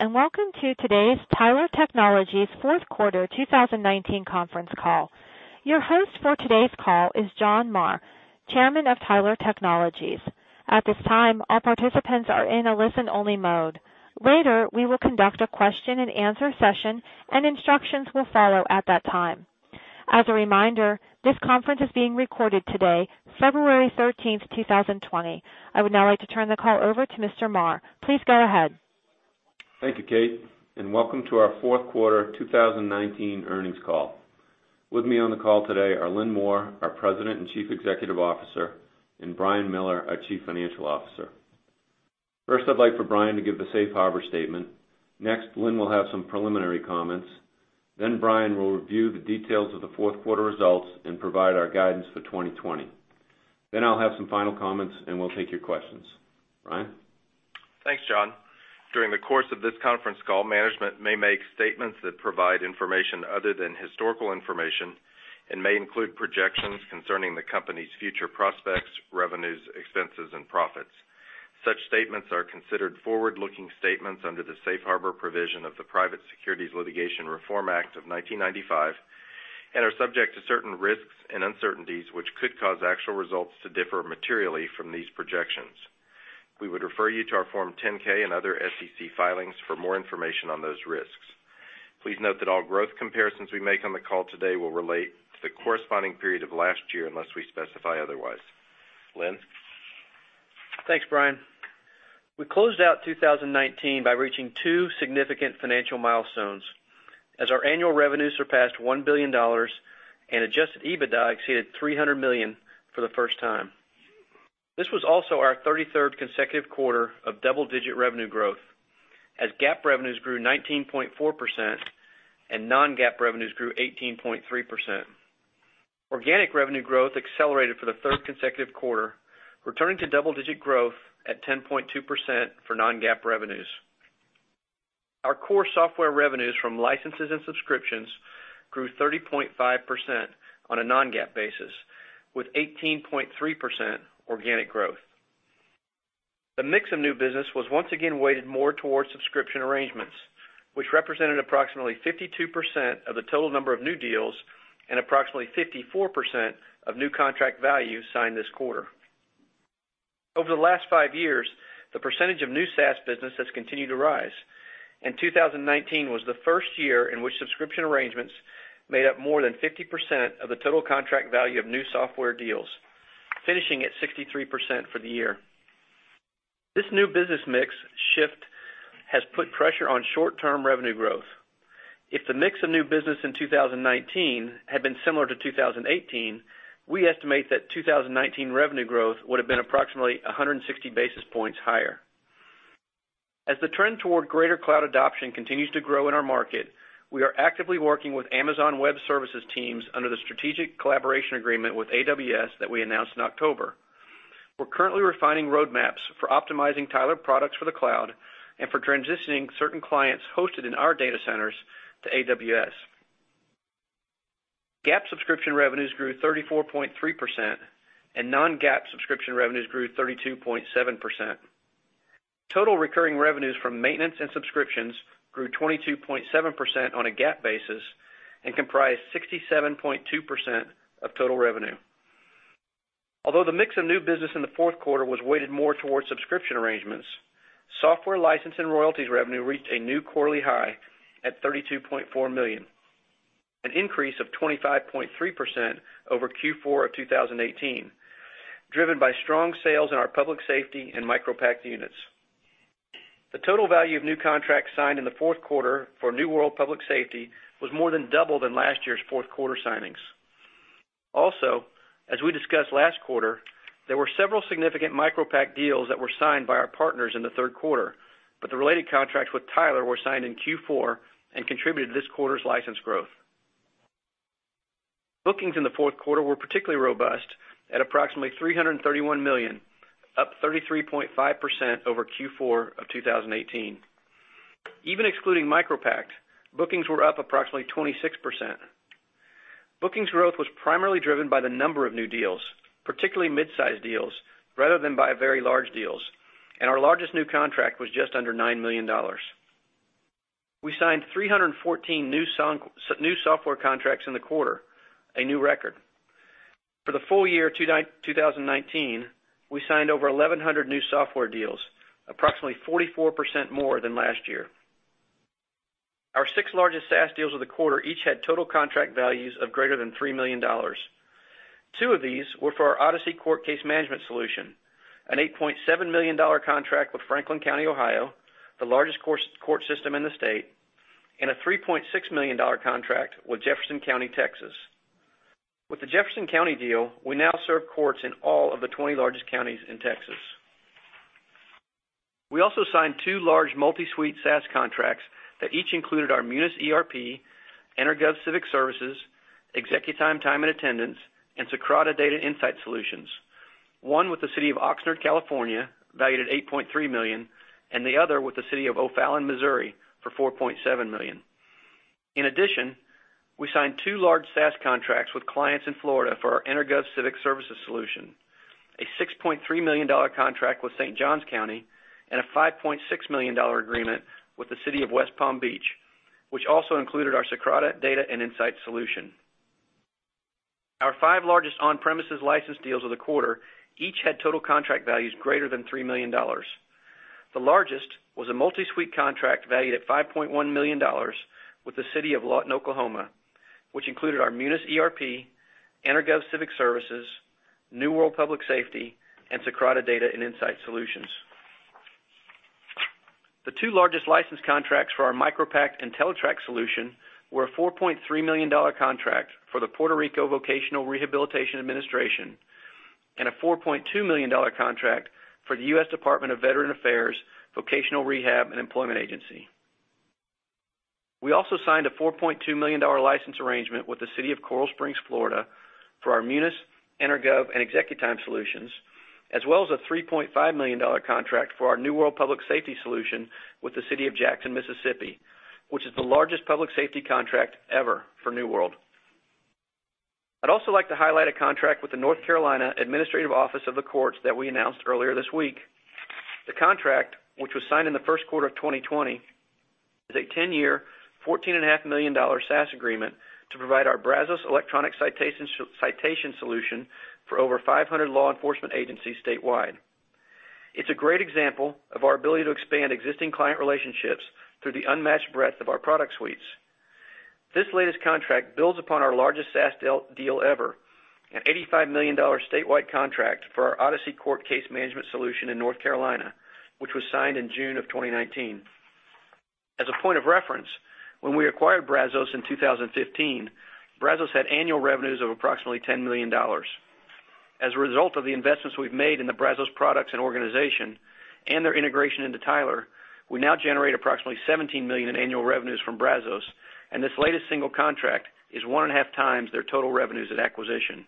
Hello, welcome to today's Tyler Technologies fourth quarter 2019 conference call. Your host for today's call is John Marr, Chairman of Tyler Technologies. At this time, all participants are in a listen-only mode. Later, we will conduct a question and answer session, and instructions will follow at that time. As a reminder, this conference is being recorded today, February 13, 2020. I would now like to turn the call over to Mr. Marr. Please go ahead. Thank you, Kate, welcome to our fourth quarter 2019 earnings call. With me on the call today are Lynn Moore, our President and Chief Executive Officer, and Brian Miller, our Chief Financial Officer. First, I'd like for Brian to give the safe harbor statement. Next, Lynn will have some preliminary comments. Brian will review the details of the fourth quarter results and provide our guidance for 2020. I'll have some final comments, and we'll take your questions. Brian? Thanks, John. During the course of this conference call, management may make statements that provide information other than historical information and may include projections concerning the company's future prospects, revenues, expenses, and profits. Such statements are considered forward-looking statements under the safe harbor provision of the Private Securities Litigation Reform Act of 1995 and are subject to certain risks and uncertainties which could cause actual results to differ materially from these projections. We would refer you to our Form 10-K and other SEC filings for more information on those risks. Please note that all growth comparisons we make on the call today will relate to the corresponding period of last year unless we specify otherwise. Lynn? Thanks, Brian. We closed out 2019 by reaching two significant financial milestones as our annual revenue surpassed $1 billion and adjusted EBITDA exceeded $300 million for the first time. This was also our 33rd consecutive quarter of double-digit revenue growth, as GAAP revenues grew 19.4% and non-GAAP revenues grew 18.3%. Organic revenue growth accelerated for the third consecutive quarter, returning to double-digit growth at 10.2% for non-GAAP revenues. Our core software revenues from licenses and subscriptions grew 30.5% on a non-GAAP basis, with 18.3% organic growth. The mix of new business was once again weighted more towards subscription arrangements, which represented approximately 52% of the total number of new deals and approximately 54% of new contract value signed this quarter. Over the last five years, the percentage of new SaaS business has continued to rise. 2019 was the first year in which subscription arrangements made up more than 50% of the total contract value of new software deals, finishing at 63% for the year. This new business mix shift has put pressure on short-term revenue growth. If the mix of new business in 2019 had been similar to 2018, we estimate that 2019 revenue growth would've been approximately 160 basis points higher. As the trend toward greater cloud adoption continues to grow in our market, we are actively working with Amazon Web Services teams under the strategic collaboration agreement with AWS that we announced in October. We're currently refining roadmaps for optimizing Tyler products for the cloud and for transitioning certain clients hosted in our data centers to AWS. GAAP subscription revenues grew 34.3%, and non-GAAP subscription revenues grew 32.7%. Total recurring revenues from maintenance and subscriptions grew 22.7% on a GAAP basis and comprised 67.2% of total revenue. Although the mix of new business in the fourth quarter was weighted more towards subscription arrangements, software license and royalties revenue reached a new quarterly high at $32.4 million, an increase of 25.3% over Q4 of 2018, driven by strong sales in our public safety and MicroPact units. The total value of new contracts signed in the fourth quarter for New World Public Safety was more than double than last year's fourth quarter signings. As we discussed last quarter, there were several significant MicroPact deals that were signed by our partners in the third quarter, but the related contracts with Tyler were signed in Q4 and contributed to this quarter's license growth. Bookings in the fourth quarter were particularly robust at approximately $331 million, up 33.5% over Q4 of 2018. Even excluding MicroPact, bookings were up approximately 26%. Bookings growth was primarily driven by the number of new deals, particularly mid-size deals, rather than by very large deals, and our largest new contract was just under $9 million. We signed 314 new software contracts in the quarter, a new record. For the full year 2019, we signed over 1,100 new software deals, approximately 44% more than last year. Our six largest SaaS deals of the quarter each had total contract values of greater than $3 million. Two of these were for our Odyssey Court Case Management solution, an $8.7 million contract with Franklin County, Ohio, the largest court system in the state, and a $3.6 million contract with Jefferson County, Texas. With the Jefferson County deal, we now serve courts in all of the 20 largest counties in Texas. We also signed two large multi-suite SaaS contracts that each included our Munis ERP, EnerGov Civic Services, ExecuTime Time and Attendance, and Socrata Data Insight solutions. One with the City of Oxnard, California, valued at $8.3 million, and the other with the City of O'Fallon, Missouri, for $4.7 million In addition, we signed two large SaaS contracts with clients in Florida for our EnerGov Civic Services solution, a $6.3 million contract with St. Johns County, and a $5.6 million agreement with the City of West Palm Beach, which also included our Socrata Data and Insight solution. Our five largest on-premises license deals of the quarter each had total contract values greater than $3 million. The largest was a multi-suite contract valued at $5.1 million with the City of Lawton, Oklahoma, which included our Munis ERP, EnerGov Civic Services, New World Public Safety, and Socrata Data and Insight solutions. The two largest license contracts for our MicroPact and entellitrak solution were a $4.3 million contract for the Puerto Rico Vocational Rehabilitation Administration and a $4.2 million contract for the U.S. Department of Veterans Affairs Vocational Rehabilitation and Employment Agency. We also signed a $4.2 million license arrangement with the City of Coral Springs, Florida, for our Munis, EnerGov, and ExecuTime solutions, as well as a $3.5 million contract for our New World Public Safety solution with the City of Jackson, Mississippi, which is the largest public safety contract ever for New World. I'd also like to highlight a contract with the North Carolina Administrative Office of the Courts that we announced earlier this week. The contract, which was signed in the first quarter of 2020, is a 10-year, $14.5 million SaaS agreement to provide our Brazos electronic citation solution for over 500 law enforcement agencies statewide. It's a great example of our ability to expand existing client relationships through the unmatched breadth of our product suites. This latest contract builds upon our largest SaaS deal ever, an $85 million statewide contract for our Odyssey Court Case Management solution in North Carolina, which was signed in June of 2019. As a point of reference, when we acquired Brazos in 2015, Brazos had annual revenues of approximately $10 million. As a result of the investments we've made in the Brazos products and organization and their integration into Tyler, we now generate approximately $17 million in annual revenues from Brazos, and this latest single contract is one and a half times their total revenues at acquisition.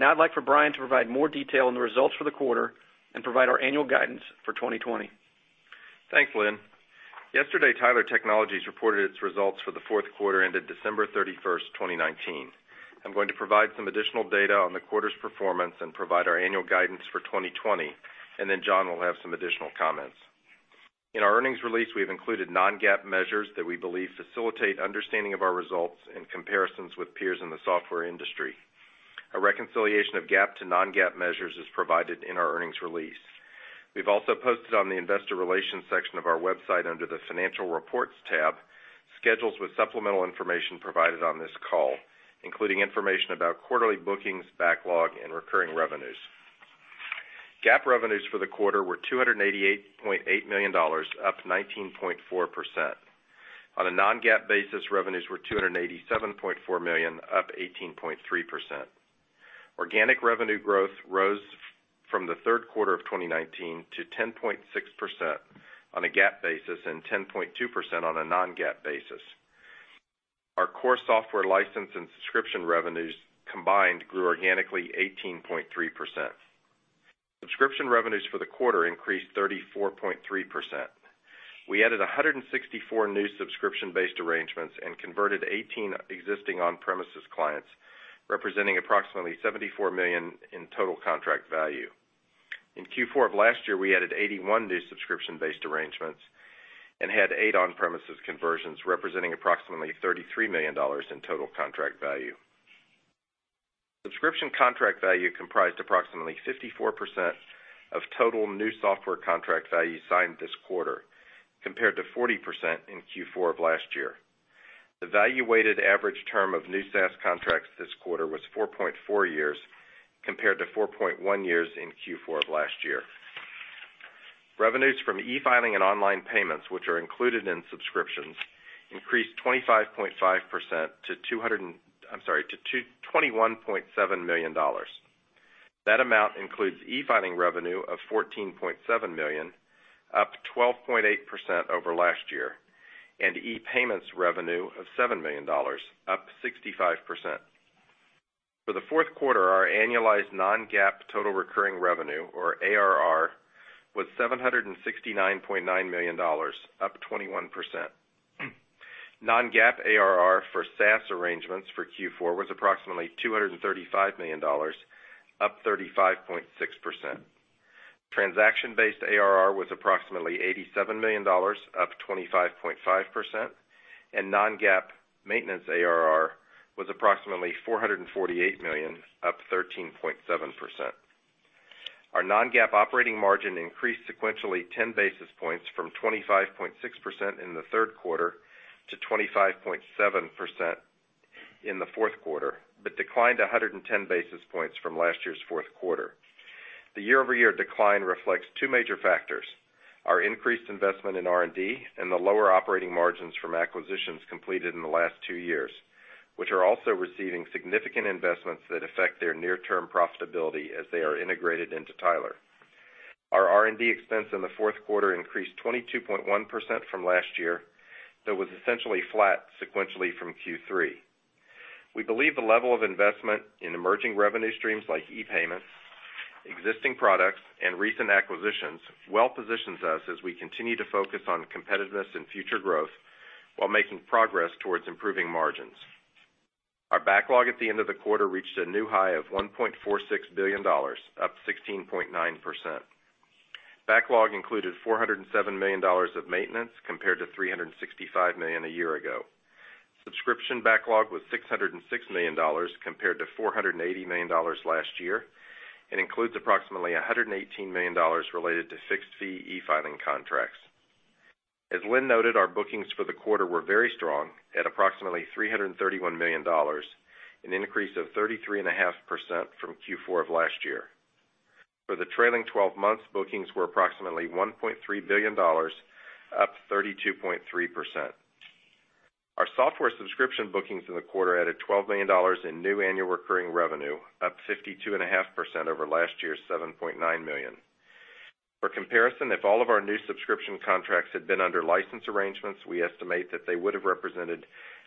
I'd like for Brian to provide more detail on the results for the quarter and provide our annual guidance for 2020. Thanks, Lynn. Yesterday, Tyler Technologies reported its results for the fourth quarter ended December 31st, 2019. I'm going to provide some additional data on the quarter's performance and provide our annual guidance for 2020. John will have some additional comments. In our earnings release, we've included non-GAAP measures that we believe facilitate understanding of our results and comparisons with peers in the software industry. A reconciliation of GAAP to non-GAAP measures is provided in our earnings release. We've also posted on the investor relations section of our website, under the financial reports tab, schedules with supplemental information provided on this call, including information about quarterly bookings, backlog, and recurring revenues. GAAP revenues for the quarter were $288.8 million, up 19.4%. On a non-GAAP basis, revenues were $287.4 million, up 18.3%. Organic revenue growth rose from the third quarter of 2019 to 10.6% on a GAAP basis and 10.2% on a non-GAAP basis. Our core software license and subscription revenues combined grew organically 18.3%. Subscription revenues for the quarter increased 34.3%. We added 164 new subscription-based arrangements and converted 18 existing on-premises clients, representing approximately $74 million in total contract value. In Q4 of last year, we added 81 new subscription-based arrangements and had eight on-premises conversions, representing approximately $33 million in total contract value. Subscription contract value comprised approximately 54% of total new software contract value signed this quarter, compared to 40% in Q4 of last year. The value weighted average term of new SaaS contracts this quarter was 4.4 years, compared to 4.1 years in Q4 of last year. Revenues from e-filing and online payments, which are included in subscriptions, increased 25.5% to $21.7 million. That amount includes e-filing revenue of $14.7 million, up 12.8% over last year, and e-payments revenue of $7 million, up 65%. For the fourth quarter, our annualized non-GAAP total recurring revenue, or ARR, was $769.9 million, up 21%. Non-GAAP ARR for SaaS arrangements for Q4 was approximately $235 million, up 35.6%. Transaction-based ARR was approximately $87 million, up 25.5%, and non-GAAP maintenance ARR was approximately $448 million, up 13.7%. Our non-GAAP operating margin increased sequentially 10 basis points from 25.6% in the third quarter to 25.7% in the fourth quarter, declined 110 basis points from last year's fourth quarter. The year-over-year decline reflects two major factors, our increased investment in R&D and the lower operating margins from acquisitions completed in the last two years, which are also receiving significant investments that affect their near-term profitability as they are integrated into Tyler. Our R&D expense in the fourth quarter increased 22.1% from last year, though it was essentially flat sequentially from Q3. We believe the level of investment in emerging revenue streams like e-payments, existing products, and recent acquisitions well positions us as we continue to focus on competitiveness and future growth while making progress towards improving margins. Our backlog at the end of the quarter reached a new high of $1.46 billion, up 16.9%. Backlog included $407 million of maintenance compared to $365 million a year ago. Subscription backlog was $606 million compared to $480 million last year, and includes approximately $118 million related to fixed fee e-filing contracts. As Lynn noted, our bookings for the quarter were very strong at approximately $331 million, an increase of 33.5% from Q4 of last year. For the trailing 12 months, bookings were approximately $1.3 billion, up 32.3%. Our software subscription bookings in the quarter added $12 million in new annual recurring revenue, up 52.5% over last year's $7.9 million. For comparison, if all of our new subscription contracts had been under license arrangements, we estimate that they would have represented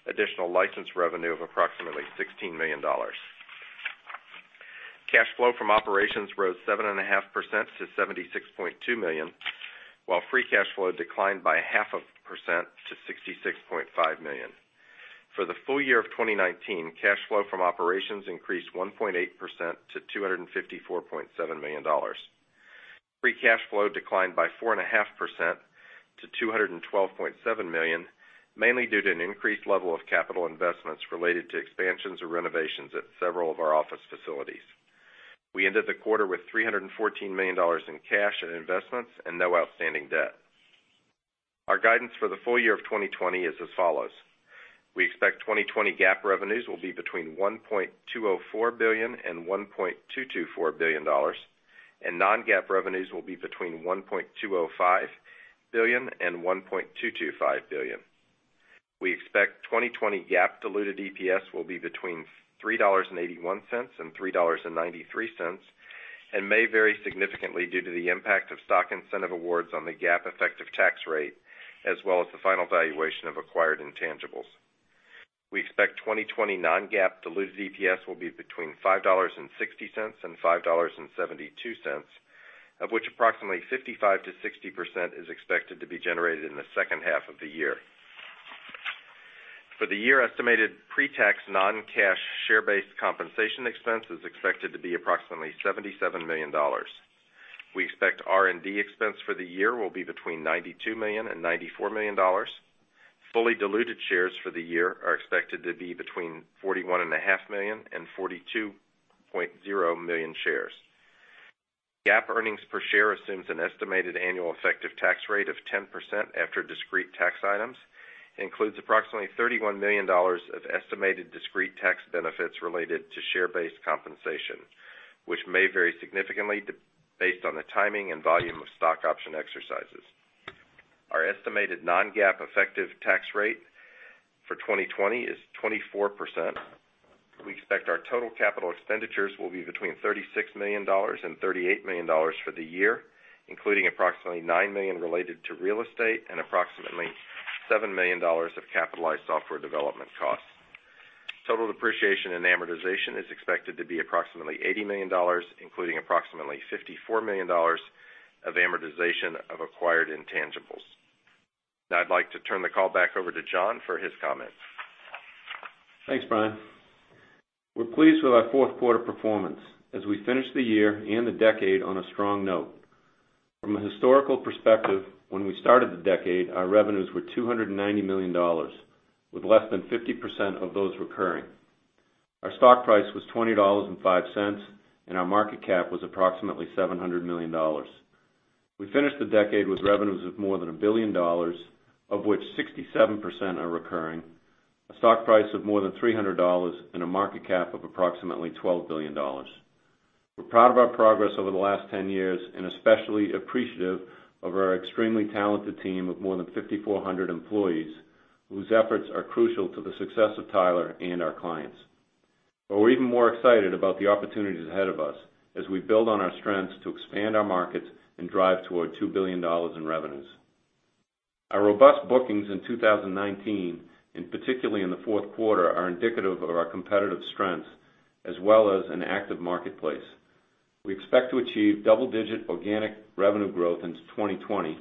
additional license revenue of approximately $16 million. Cash flow from operations rose 7.5% to $76.2 million, while free cash flow declined by half a percent to $66.5 million. For the full year of 2019, cash flow from operations increased 1.8% to $254.7 million. Free cash flow declined by 4.5% to $212.7 million, mainly due to an increased level of capital investments related to expansions or renovations at several of our office facilities. We ended the quarter with $314 million in cash and investments and no outstanding debt. Our guidance for the full year of 2020 is as follows. We expect 2020 GAAP revenues will be between $1.204 billion and $1.224 billion, and non-GAAP revenues will be between $1.205 billion and $1.225 billion. We expect 2020 GAAP diluted EPS will be between $3.81 and $3.93, and may vary significantly due to the impact of stock incentive awards on the GAAP effective tax rate, as well as the final valuation of acquired intangibles. We expect 2020 non-GAAP diluted EPS will be between $5.60 and $5.72, of which approximately 55%-60% is expected to be generated in the second half of the year. For the year, estimated pre-tax non-cash share-based compensation expense is expected to be approximately $77 million. We expect R&D expense for the year will be between $92 million and $94 million. Fully diluted shares for the year are expected to be between 41.5 million and 42.0 million shares. GAAP earnings per share assumes an estimated annual effective tax rate of 10% after discrete tax items, and includes approximately $31 million of estimated discrete tax benefits related to share-based compensation, which may vary significantly based on the timing and volume of stock option exercises. Our estimated non-GAAP effective tax rate for 2020 is 24%. We expect our total capital expenditures will be between $36 million and $38 million for the year, including approximately $9 million related to real estate and approximately $7 million of capitalized software development costs. Total depreciation and amortization is expected to be approximately $80 million, including approximately $54 million of amortization of acquired intangibles. I'd like to turn the call back over to John for his comments. Thanks, Brian. We're pleased with our fourth quarter performance as we finish the year and the decade on a strong note. From a historical perspective, when we started the decade, our revenues were $290 million, with less than 50% of those recurring. Our stock price was $20.05, and our market cap was approximately $700 million. We finished the decade with revenues of more than $1 billion, of which 67% are recurring, a stock price of more than $300, and a market cap of approximately $12 billion. We're proud of our progress over the last 10 years, and especially appreciative of our extremely talented team of more than 5,400 employees, whose efforts are crucial to the success of Tyler and our clients. We're even more excited about the opportunities ahead of us as we build on our strengths to expand our markets and drive toward $2 billion in revenues. Our robust bookings in 2019, and particularly in the fourth quarter, are indicative of our competitive strengths as well as an active marketplace. We expect to achieve double-digit organic revenue growth into 2020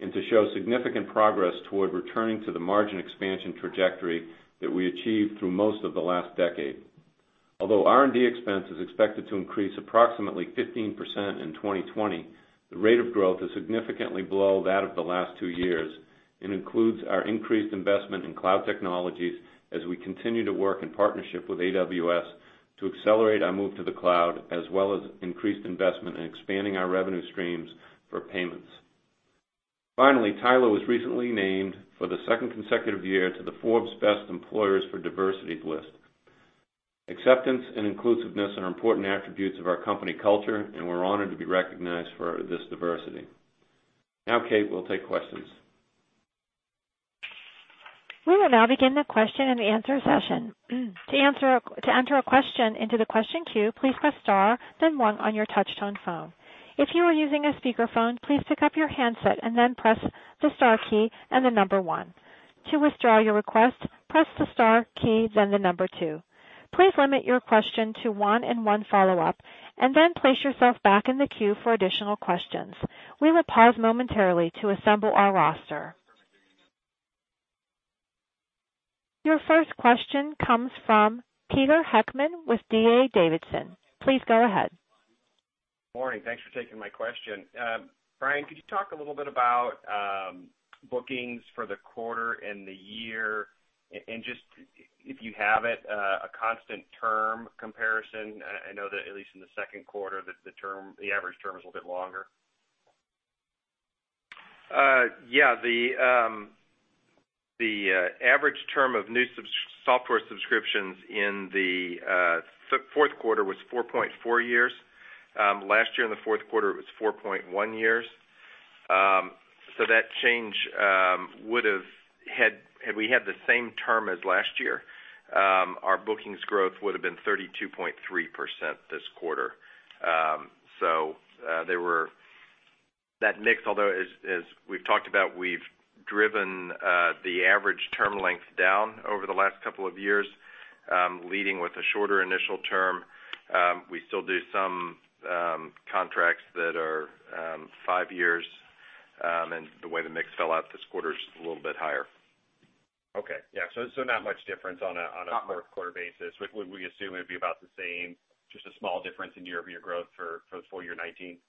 and to show significant progress toward returning to the margin expansion trajectory that we achieved through most of the last decade. Although R&D expense is expected to increase approximately 15% in 2020, the rate of growth is significantly below that of the last two years and includes our increased investment in cloud technologies as we continue to work in partnership with AWS to accelerate our move to the cloud, as well as increased investment in expanding our revenue streams for payments. Finally, Tyler was recently named for the second consecutive year to the Forbes Best Employers for Diversity list. Acceptance and inclusiveness are important attributes of our company culture, and we're honored to be recognized for this diversity. Now, Kate, we'll take questions. We will now begin the question and answer session. To enter a question into the question queue, please press star then one on your touchtone phone. If you are using a speakerphone, please pick up your handset and then press the star key and the number one. To withdraw your request, press the star key, then the number two. Please limit your question to one and one follow-up, and then place yourself back in the queue for additional questions. We will pause momentarily to assemble our roster. Your first question comes from Peter Heckmann with D.A. Davidson. Please go ahead. Morning. Thanks for taking my question. Brian, could you talk a little bit about bookings for the quarter and the year, and just if you have it, a constant term comparison? I know that at least in the second quarter, the average term is a bit longer. Yeah. The average term of new software subscriptions in the fourth quarter was 4.4 years. Last year in the fourth quarter, it was 4.1 years. That change would have, had we had the same term as last year, our bookings growth would have been 32.3% this quarter. That mix, although, as we've talked about, we've driven the average term length down over the last couple of years, leading with a shorter initial term. We still do some contracts that are five years, and the way the mix fell out this quarter is a little bit higher. Okay. Yeah. Not much difference on a- Not much. quarter basis. Would we assume it'd be about the same, just a small difference in year-over-year growth for the full year 2019?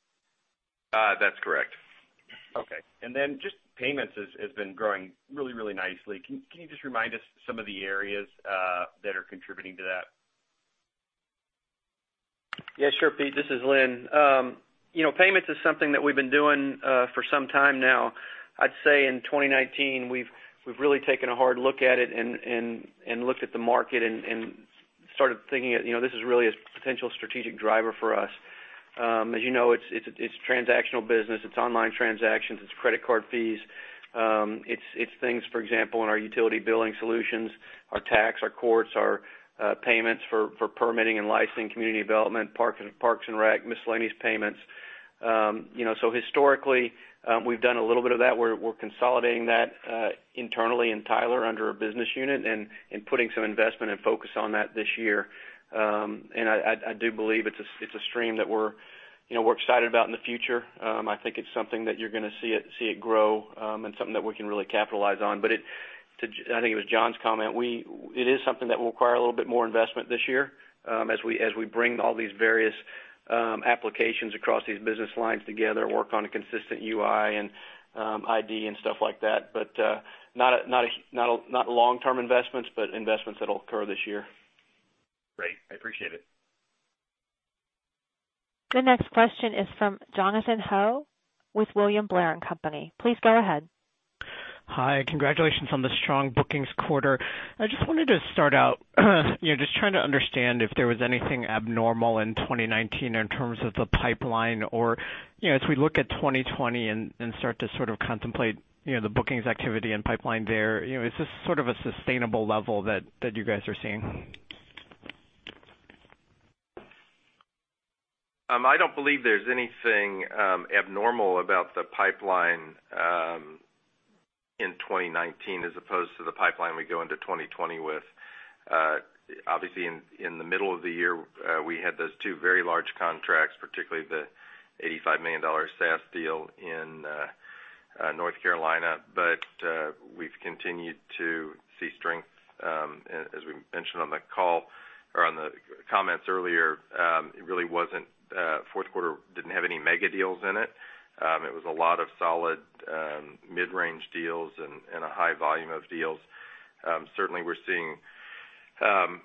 That's correct. Okay. Just payments has been growing really, really nicely. Can you just remind us some of the areas that are contributing to that? Yeah, sure, Peter. This is Lynn. Payments is something that we've been doing for some time now. I'd say in 2019, we've really taken a hard look at it and looked at the market and started thinking that this is really a potential strategic driver for us. As you know, it's transactional business. It's online transactions. It's credit card fees. It's things, for example, in our utility billing solutions, our tax, our courts, our payments for permitting and licensing, community development, parks and rec, miscellaneous payments. Historically, we've done a little bit of that. We're consolidating that internally in Tyler under a business unit and putting some investment and focus on that this year. I do believe it's a stream that we're excited about in the future. I think it's something that you're going to see it grow and something that we can really capitalize on. I think it was John's comment, it is something that will require a little bit more investment this year as we bring all these various applications across these business lines together, work on a consistent UI and ID and stuff like that. Not long-term investments, but investments that'll occur this year. Great. I appreciate it. The next question is from Jonathan Ho with William Blair & Company. Please go ahead. Hi. Congratulations on the strong bookings quarter. I just wanted to start out just trying to understand if there was anything abnormal in 2019 in terms of the pipeline or, as we look at 2020 and start to sort of contemplate the bookings activity and pipeline there, is this sort of a sustainable level that you guys are seeing? I don't believe there's anything abnormal about the pipeline in 2019 as opposed to the pipeline we go into 2020 with. Obviously, in the middle of the year, we had those two very large contracts, particularly the $85 million SaaS deal in North Carolina. We've continued to see strength, as we mentioned on the call or on the comments earlier. Fourth quarter didn't have any mega deals in it. It was a lot of solid mid-range deals and a high volume of deals. Certainly, we're seeing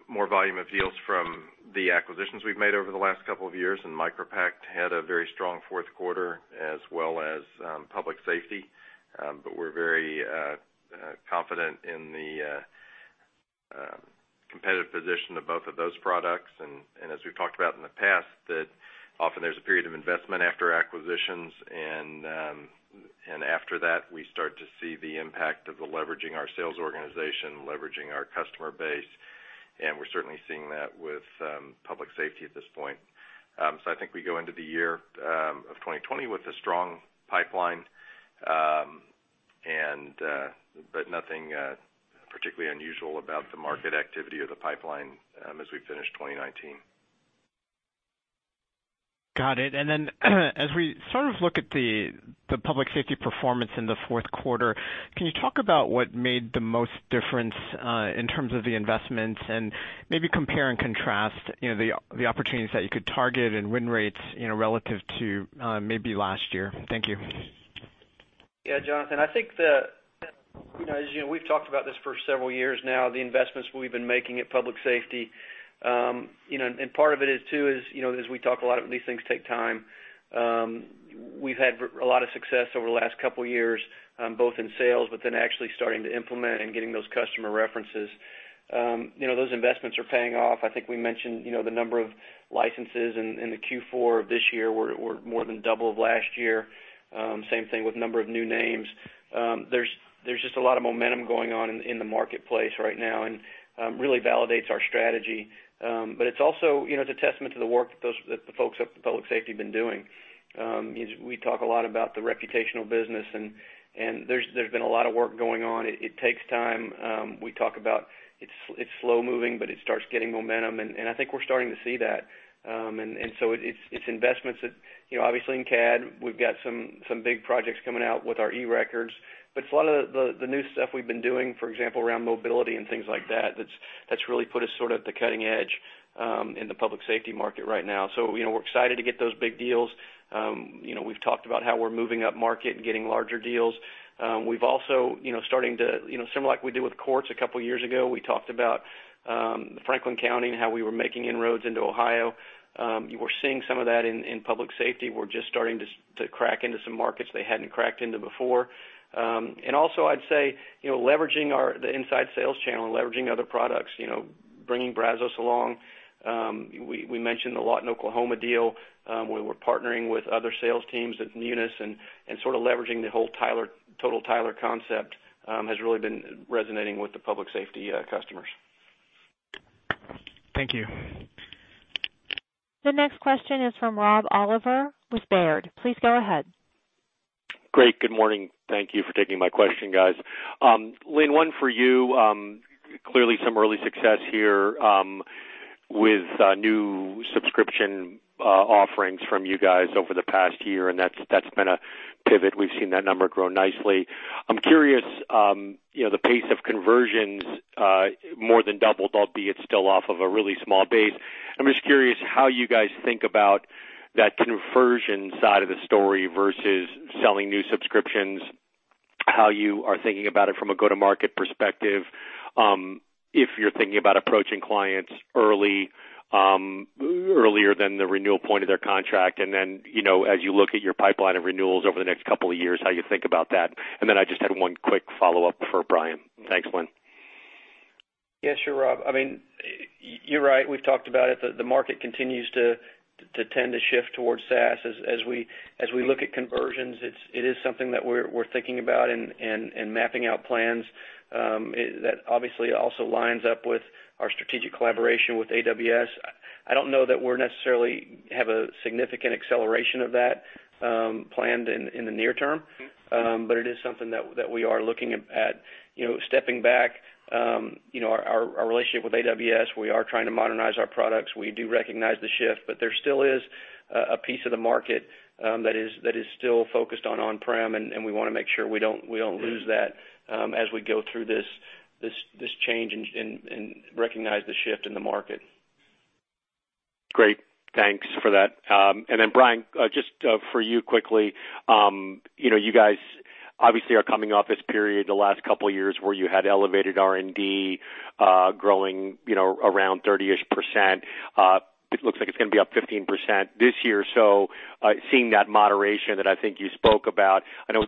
more volume of deals from the acquisitions we've made over the last couple of years, and MicroPact had a very strong fourth quarter, as well as New World Public Safety. We're very confident in the competitive position of both of those products. As we've talked about in the past, that often there's a period of investment after acquisitions, and after that, we start to see the impact of the leveraging our sales organization, leveraging our customer base. We're certainly seeing that with Public Safety at this point. I think we go into the year of 2020 with a strong pipeline, but nothing particularly unusual about the market activity or the pipeline as we finish 2019. Got it. Then as we sort of look at the Public Safety performance in the fourth quarter, can you talk about what made the most difference in terms of the investments and maybe compare and contrast the opportunities that you could target and win rates relative to maybe last year? Thank you. Yeah, Jonathan. I think that, as you know, we've talked about this for several years now, the investments we've been making at Public Safety. Part of it is too, as we talk a lot, these things take time. We've had a lot of success over the last couple of years, both in sales, but then actually starting to implement and getting those customer references. Those investments are paying off. I think we mentioned, the number of licenses in the Q4 of this year were more than double of last year. Same thing with number of new names. There's just a lot of momentum going on in the marketplace right now and really validates our strategy. It's also a testament to the work that the folks up at Public Safety have been doing. We talk a lot about the reputational business, and there's been a lot of work going on. It takes time. We talk about it's slow moving, but it starts getting momentum, and I think we're starting to see that. It's investments, obviously in CAD, we've got some big projects coming out with our eRecords, but it's a lot of the new stuff we've been doing, for example, around mobility and things like that's really put us sort of at the cutting edge in the public safety market right now. We're excited to get those big deals. We've talked about how we're moving up market and getting larger deals. We've also starting to, similar like we did with courts a couple of years ago, we talked about Franklin County and how we were making inroads into Ohio. We're seeing some of that in public safety. We're just starting to crack into some markets they hadn't cracked into before. I'd say, leveraging the inside sales channel and leveraging other products, bringing Brazos along. We mentioned the Lawton, Oklahoma deal, where we're partnering with other sales teams at Munis and sort of leveraging the whole Total Tyler concept has really been resonating with the public safety customers. Thank you. The next question is from Rob Oliver with Baird. Please go ahead. Great. Good morning. Thank you for taking my question, guys. Lynn, one for you. Clearly some early success here with new subscription offerings from you guys over the past year, and that's been a pivot. We've seen that number grow nicely. I'm curious, the pace of conversions more than doubled, albeit still off of a really small base. I'm just curious how you guys think about that conversion side of the story versus selling new subscriptions, how you are thinking about it from a go-to-market perspective, if you're thinking about approaching clients earlier than the renewal point of their contract, and then, as you look at your pipeline of renewals over the next couple of years, how you think about that. I just had one quick follow-up for Brian. Thanks, Lynn. Yeah, sure, Rob. You're right. We've talked about it. The market continues to tend to shift towards SaaS. As we look at conversions, it is something that we're thinking about and mapping out plans. That obviously also lines up with our strategic collaboration with AWS. I don't know that we necessarily have a significant acceleration of that planned in the near term, but it is something that we are looking at. Stepping back, our relationship with AWS, we are trying to modernize our products. We do recognize the shift, but there still is a piece of the market that is still focused on on-prem, and we want to make sure we don't lose that as we go through this change and recognize the shift in the market. Great. Thanks for that. Brian, just for you quickly. You guys obviously are coming off this period the last couple of years where you had elevated R&D growing around 30%ish. It looks like it's going to be up 15% this year. Seeing that moderation that I think you spoke about, I know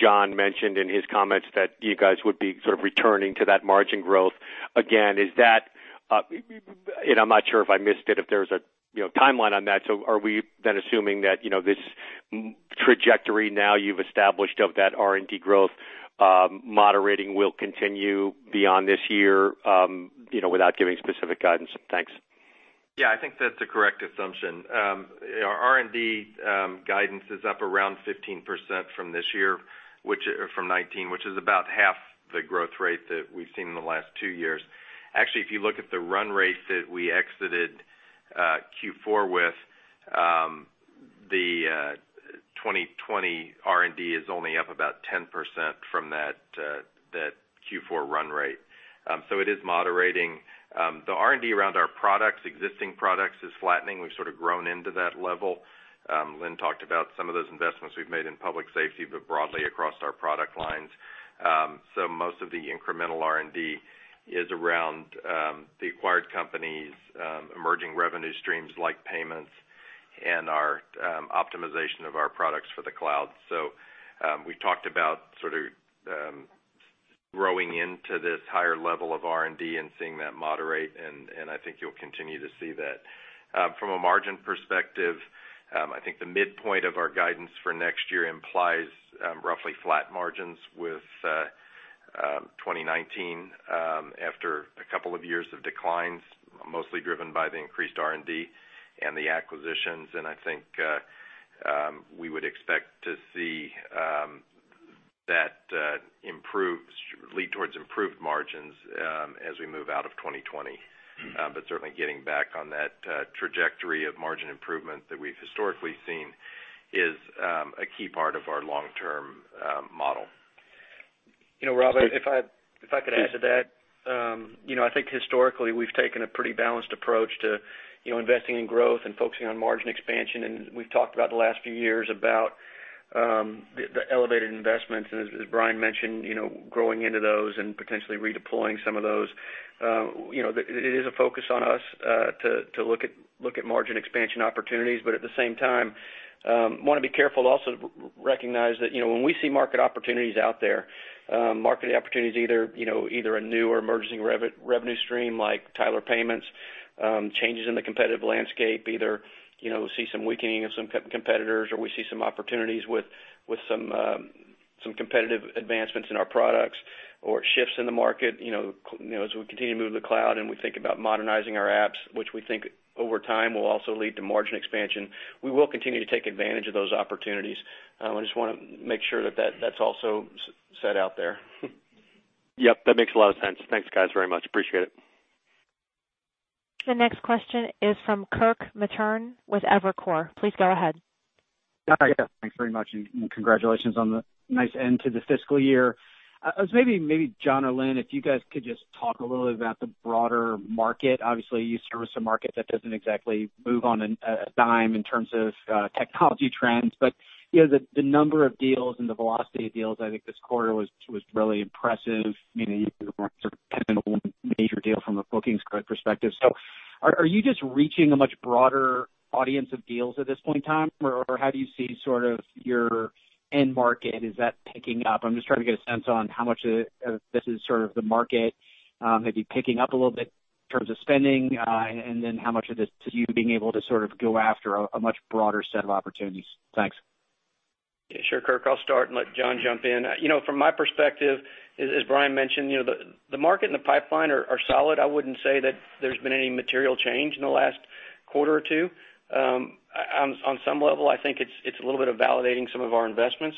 John mentioned in his comments that you guys would be sort of returning to that margin growth again. I'm not sure if I missed it, if there's a timeline on that. Are we then assuming that this trajectory now you've established of that R&D growth moderating will continue beyond this year without giving specific guidance? Thanks. Yeah, I think that's a correct assumption. R&D guidance is up around 15% from 2019, which is about half the growth rate that we've seen in the last two years. Actually, if you look at the run rate that we exited Q4 with, the 2020 R&D is only up about 10% from that Q4 run rate. It is moderating. The R&D around our existing products is flattening. We've sort of grown into that level. Lynn talked about some of those investments we've made in public safety, broadly across our product lines. Most of the incremental R&D is around the acquired companies, emerging revenue streams like payments, and our optimization of our products for the cloud. We've talked about sort of growing into this higher level of R&D and seeing that moderate, I think you'll continue to see that. From a margin perspective, I think the midpoint of our guidance for next year implies roughly flat margins with 2019 after a couple of years of declines, mostly driven by the increased R&D and the acquisitions. I think we would expect to see that lead towards improved margins as we move out of 2020. Certainly getting back on that trajectory of margin improvement that we've historically seen is a key part of our long-term model. Rob, if I could add to that. I think historically, we've taken a pretty balanced approach to investing in growth and focusing on margin expansion, and we've talked about the last few years about the elevated investments, and as Brian mentioned, growing into those and potentially redeploying some of those. It is a focus on us to look at margin expansion opportunities, but at the same time, want to be careful also to recognize that when we see market opportunities out there, market opportunities either a new or emerging revenue stream like Tyler Payments, changes in the competitive landscape, either we see some weakening of some competitors or we see some opportunities with some competitive advancements in our products or shifts in the market, as we continue to move to the cloud and we think about modernizing our apps, which we think over time will also lead to margin expansion. We will continue to take advantage of those opportunities. I just want to make sure that that's also set out there. Yep, that makes a lot of sense. Thanks guys, very much. Appreciate it. The next question is from Kirk Materne with Evercore. Please go ahead. Hi. Yeah, thanks very much and congratulations on the nice end to the fiscal year. Maybe John or Lynn, if you guys could just talk a little bit about the broader market. Obviously, you service a market that doesn't exactly move on a dime in terms of technology trends, but the number of deals and the velocity of deals, I think this quarter was really impressive. Yeah, sure, Kirk. I'll start and let John jump in. From my perspective, as Brian mentioned, the market and the pipeline are solid. I wouldn't say that there's been any material change in the last quarter or two. On some level, I think it's a little bit of validating some of our investments.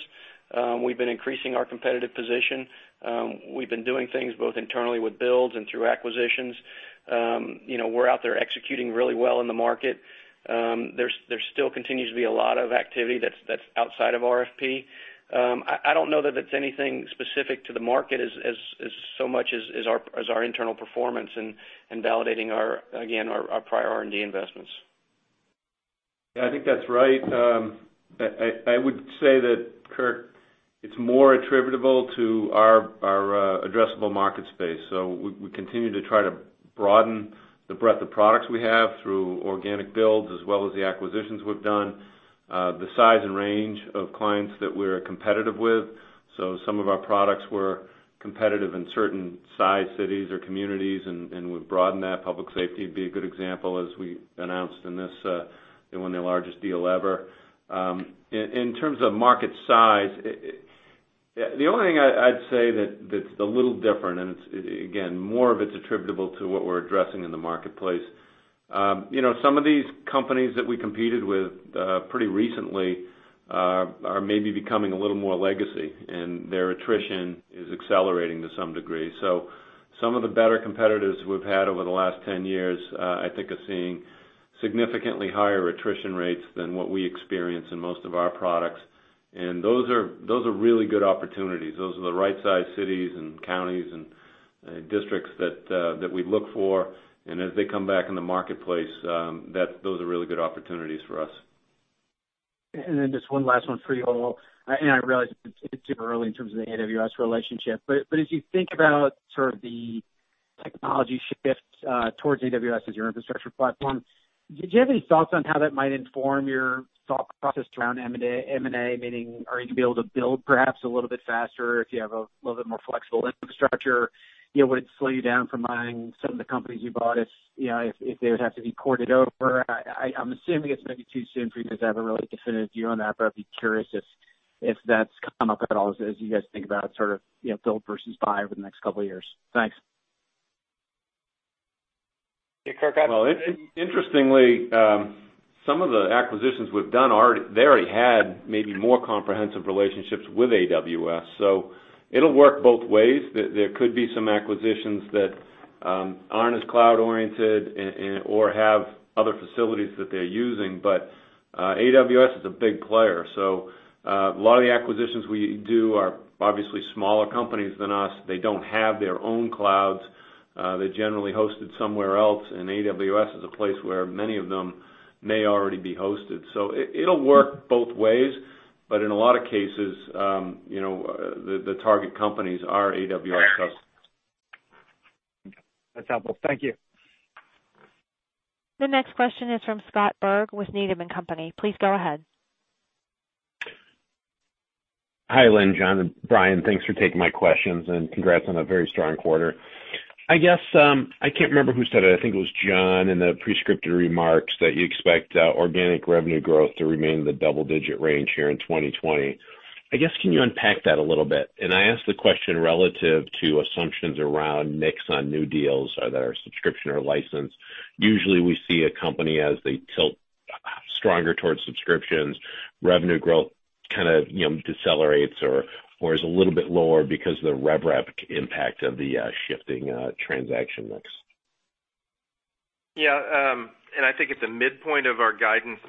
We've been increasing our competitive position. We've been doing things both internally with builds and through acquisitions. We're out there executing really well in the market. There still continues to be a lot of activity that's outside of RFP. I don't know that that's anything specific to the market as so much as our internal performance and validating, again, our prior R&D investments. Yeah, I think that's right. I would say that, Kirk, it's more attributable to our addressable market space. We continue to try to broaden the breadth of products we have through organic builds, as well as the acquisitions we've done. The size and range of clients that we're competitive with. Some of our products were competitive in certain size cities or communities, and we've broadened that. Public safety would be a good example, as we announced in this, one of the largest deal ever. In terms of market size, the only thing I'd say that's a little different, and, again, more of it's attributable to what we're addressing in the marketplace. Some of these companies that we competed with, pretty recently, are maybe becoming a little more legacy, and their attrition is accelerating to some degree. Some of the better competitors we've had over the last 10 years, I think are seeing significantly higher attrition rates than what we experience in most of our products. Those are really good opportunities. Those are the right size cities and counties and districts that we look for. As they come back in the marketplace, those are really good opportunities for us. Just one last one for you all. I realize it's super early in terms of the AWS relationship, but as you think about sort of the technology shift towards AWS as your infrastructure platform, did you have any thoughts on how that might inform your thought process around M&A? Meaning, are you going to be able to build perhaps a little bit faster if you have a little bit more flexible infrastructure? Would it slow you down from buying some of the companies you bought if they would have to be corded over? I'm assuming it's maybe too soon for you guys to have a really definitive view on that, but I'd be curious if that's come up at all as you guys think about sort of build versus buy over the next couple of years. Thanks. Well, interestingly, some of the acquisitions we've done, they already had maybe more comprehensive relationships with AWS. It'll work both ways. There could be some acquisitions that aren't as cloud-oriented or have other facilities that they're using. AWS is a big player, a lot of the acquisitions we do are obviously smaller companies than us. They don't have their own clouds. They're generally hosted somewhere else, AWS is a place where many of them may already be hosted. It'll work both ways. In a lot of cases, the target companies are AWS customers. That's helpful. Thank you. The next question is from Scott Berg with Needham & Company. Please go ahead. Hi, Lynn, John, and Brian. Thanks for taking my questions, and congrats on a very strong quarter. I can't remember who said it, I think it was John in the pre-scripted remarks, that you expect organic revenue growth to remain in the double-digit range here in 2020. I guess, can you unpack that a little bit? I ask the question relative to assumptions around mix on new deals that are subscription or license. Usually, we see a company as they tilt stronger towards subscriptions, revenue growth kind of decelerates or is a little bit lower because of the rev rep impact of the shifting transaction mix. Yeah. I think at the midpoint of our guidance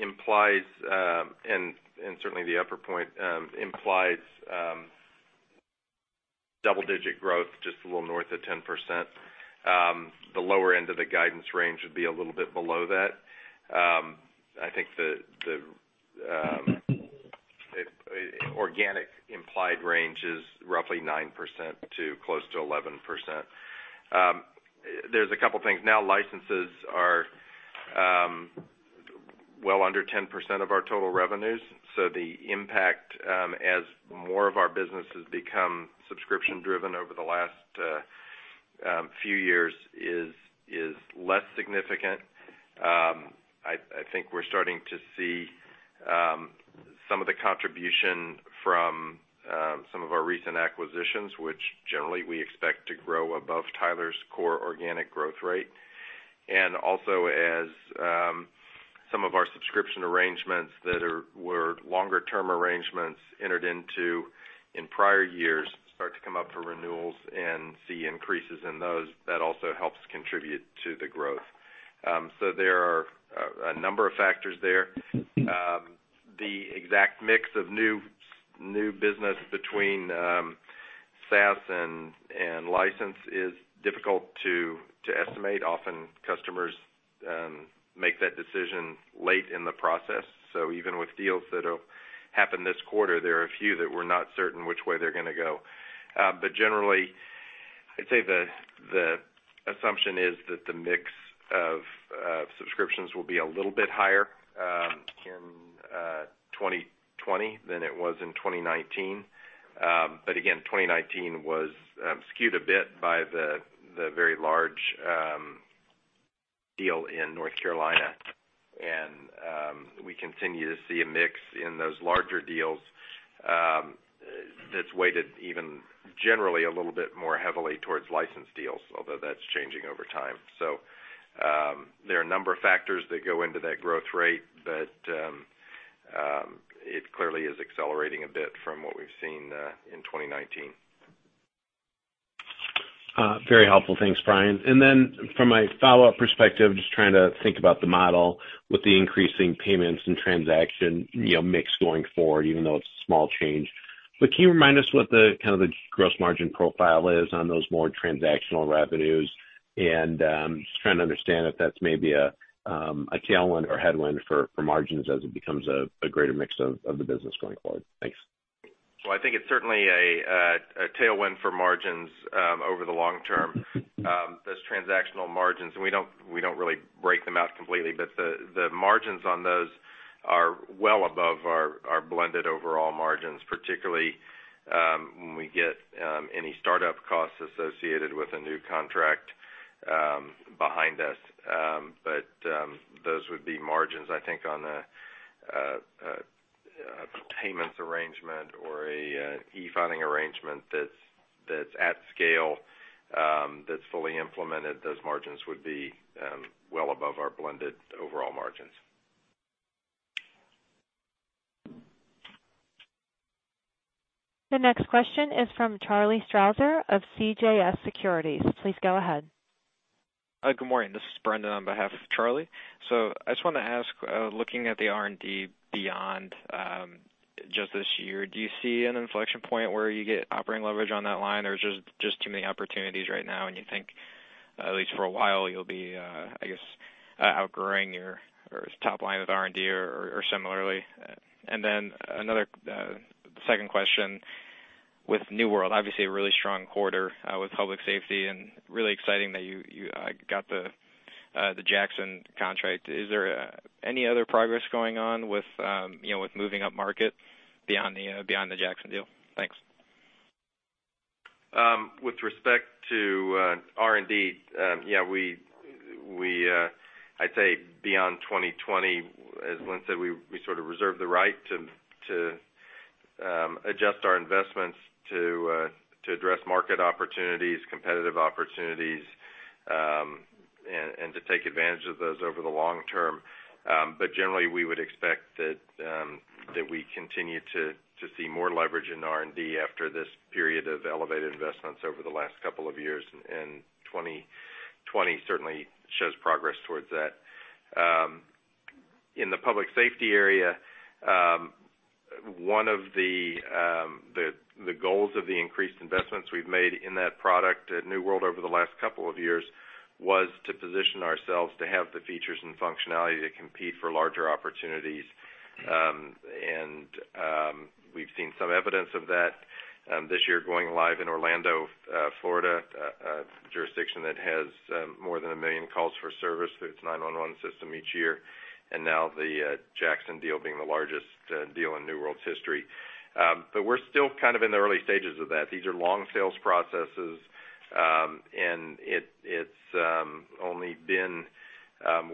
implies, and certainly the upper point implies. Double-digit growth, just a little north of 10%. The lower end of the guidance range would be a little bit below that. I think the organic implied range is roughly 9% to close to 11%. There's a couple things. Now, licenses are well under 10% of our total revenues, so the impact as more of our business has become subscription-driven over the last few years is less significant. I think we're starting to see some of the contribution from some of our recent acquisitions, which generally we expect to grow above Tyler's core organic growth rate. As some of our subscription arrangements that were longer-term arrangements entered into in prior years start to come up for renewals and see increases in those, that also helps contribute to the growth. There are a number of factors there. The exact mix of new business between SaaS and license is difficult to estimate. Often customers make that decision late in the process. Even with deals that'll happen this quarter, there are a few that we're not certain which way they're going to go. Generally, I'd say the assumption is that the mix of subscriptions will be a little bit higher in 2020 than it was in 2019. Again, 2019 was skewed a bit by the very large deal in North Carolina. We continue to see a mix in those larger deals that's weighted even generally a little bit more heavily towards license deals, although that's changing over time. There are a number of factors that go into that growth rate, but it clearly is accelerating a bit from what we've seen in 2019. Very helpful. Thanks, Brian. From my follow-up perspective, just trying to think about the model with the increasing payments and transaction mix going forward, even though it's a small change. Can you remind us what the gross margin profile is on those more transactional revenues? Just trying to understand if that's maybe a tailwind or headwind for margins as it becomes a greater mix of the business going forward. Thanks. I think it's certainly a tailwind for margins over the long term. Those transactional margins, and we don't really break them out completely, but the margins on those are well above our blended overall margins, particularly when we get any startup costs associated with a new contract behind us. Those would be margins, I think, on a payments arrangement or an e-filing arrangement that's at scale, that's fully implemented. Those margins would be well above our blended overall margins. The next question is from Charlie Strauzer of CJS Securities. Please go ahead. Good morning. This is Brendan on behalf of Charlie. I just wanted to ask, looking at the R&D beyond just this year, do you see an inflection point where you get operating leverage on that line? There's just too many opportunities right now, and you think at least for a while you'll be, I guess, outgrowing your top line of R&D or similarly? A second question, with New World, obviously a really strong quarter with Public Safety and really exciting that you got the Jackson contract. Is there any other progress going on with moving up market beyond the Jackson deal? Thanks. With respect to R&D, I'd say beyond 2020, as Lynn said, we sort of reserve the right to adjust our investments to address market opportunities, competitive opportunities, and to take advantage of those over the long term. Generally, we would expect that we continue to see more leverage in R&D after this period of elevated investments over the last couple of years, and 2020 certainly shows progress towards that. In the public safety area, one of the goals of the increased investments we've made in that product at New World over the last couple of years was to position ourselves to have the features and functionality to compete for larger opportunities. We've seen some evidence of that this year going live in Orlando, Florida, a jurisdiction that has more than a million calls for service through its 911 system each year. Now the Jackson deal being the largest deal in New World's history. We're still kind of in the early stages of that. These are long sales processes, and it's only been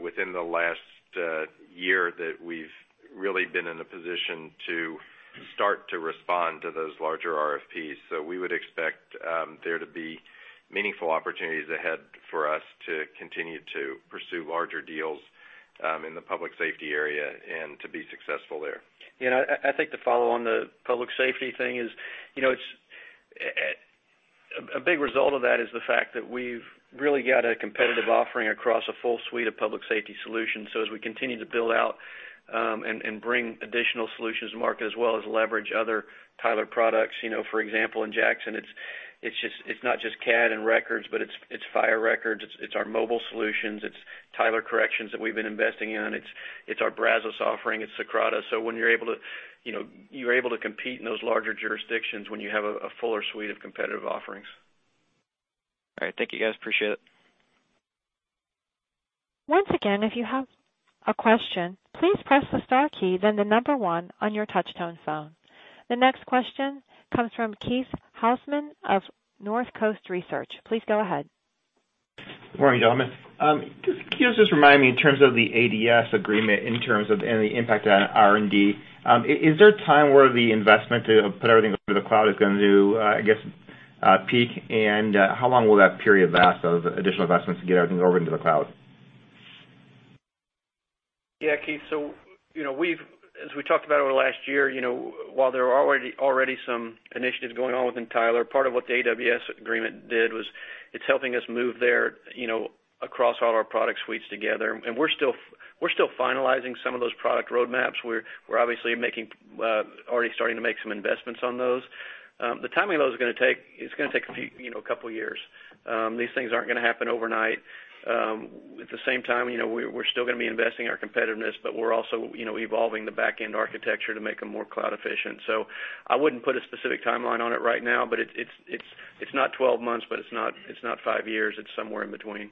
within the last year that we've really been in a position to start to respond to those larger RFPs. We would expect there to be meaningful opportunities ahead for us to continue to pursue larger deals in the public safety area and to be successful there. I think the follow on the public safety thing is, a big result of that is the fact that we've really got a competitive offering across a full suite of public safety solutions. As we continue to build out and bring additional solutions to market as well as leverage other Tyler products. For example, in Jackson, it's not just CAD and records, but it's fire records, it's our mobile solutions, it's Enterprise Corrections that we've been investing in. It's our Brazos offering, it's Socrata. You're able to compete in those larger jurisdictions when you have a fuller suite of competitive offerings. All right. Thank you, guys. Appreciate it. Once again, if you have a question, please press the star key, then the number one on your touch-tone phone. The next question comes from Keith Housum of Northcoast Research. Please go ahead. Morning, gentlemen. Can you just remind me in terms of the AWS agreement, in terms of any impact on R&D, is there a time where the investment to put everything over the cloud is going to, I guess, peak? How long will that period last of additional investments to get everything over into the cloud? Yeah, Keith. As we talked about over the last year, while there are already some initiatives going on within Tyler, part of what the AWS agreement did was it's helping us move their across all our product suites together, and we're still finalizing some of those product roadmaps. We're obviously already starting to make some investments on those. The timing of those, it's going to take a couple of years. These things aren't going to happen overnight. At the same time, we're still going to be investing in our competitiveness, but we're also evolving the back-end architecture to make them more cloud efficient. I wouldn't put a specific timeline on it right now, but it's not 12 months, but it's not five years. It's somewhere in between.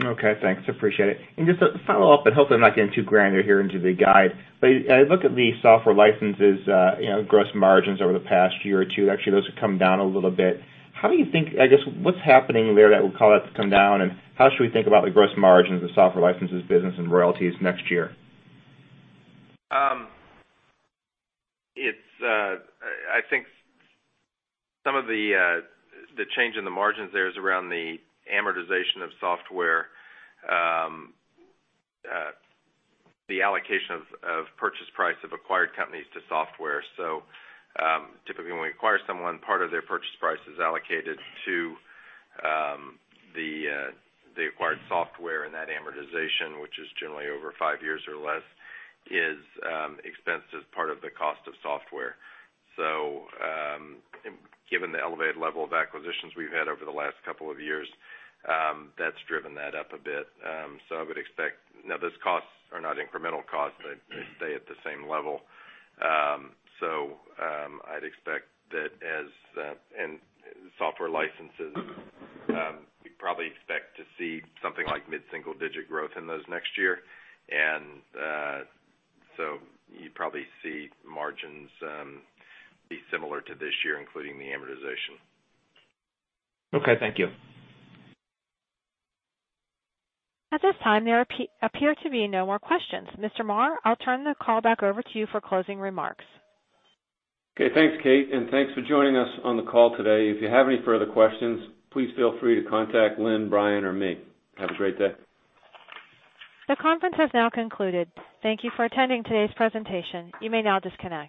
Okay, thanks. Appreciate it. Just a follow-up, hopefully I'm not getting too granular here into the guide, but I look at the software licenses gross margins over the past year or two, actually, those have come down a little bit. I guess, what's happening there that would cause that to come down, how should we think about the gross margins of software licenses business and royalties next year? I think some of the change in the margins there is around the amortization of software, the allocation of purchase price of acquired companies to software. Typically, when we acquire someone, part of their purchase price is allocated to the acquired software, and that amortization, which is generally over five years or less, is expensed as part of the cost of software. Given the elevated level of acquisitions we've had over the last couple of years, that's driven that up a bit. Now, those costs are not incremental costs, they stay at the same level. I'd expect that in software licenses, we'd probably expect to see something like mid-single digit growth in those next year. You'd probably see margins be similar to this year, including the amortization. Okay, thank you. At this time, there appear to be no more questions. Mr. Marr, I'll turn the call back over to you for closing remarks. Okay. Thanks, Kate, and thanks for joining us on the call today. If you have any further questions, please feel free to contact Lynn, Brian, or me. Have a great day. The conference has now concluded. Thank you for attending today's presentation. You may now disconnect.